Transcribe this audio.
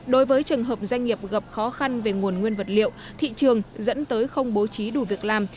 đối với trường hợp doanh nghiệp gặp khó khăn về nguồn nguyên vật liệu thị trường dẫn tới không bố trí đủ việc làm